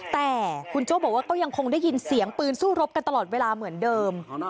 แต่คุณโจ้บอกว่าก็ยังคงได้ยินเสียงปืนสู้รบกันตลอดเวลาเหมือนเดิม